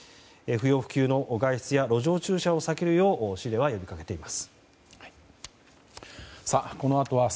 不要不急の外出や路上駐車を避けるよう市では呼び掛けています。